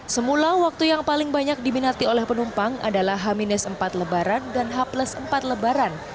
semula waktu yang paling banyak diminati oleh penumpang adalah h empat lebaran dan h empat lebaran